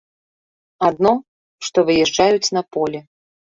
Адно, што выязджаюць на поле.